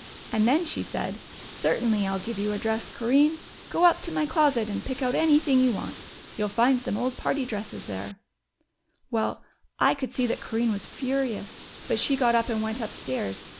And then she said, 'Certainly I'll give you a dress, Corinne. Go up to my closet and pick out anything you want. You'll find some old party dresses there!' "Well, I could see that Corinne was furious, but she got up and went upstairs.